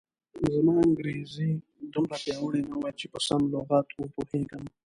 زما انګریزي دومره پیاوړې نه وه چې په سم لغت و پوهېږم.